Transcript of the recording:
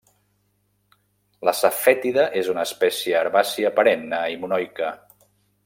L'asafètida és una espècie herbàcia perenne i monoica.